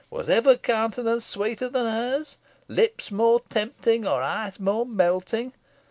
Was ever countenance sweeter than hers lips more tempting, or eyes more melting!